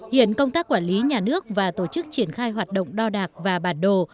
hiện công tác quản lý nhà nước và tổ chức triển khai hoạt động đo đạc và bản đồ